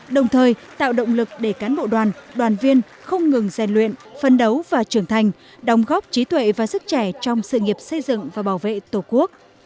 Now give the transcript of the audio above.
đồng thời tạo động lực để cán bộ đoàn đoàn viên không ngừng rèn luyện phân đấu và trưởng thành đóng góp trí tuệ và sức trẻ trong sự nghiệp xây dựng và bảo vệ tổ quốc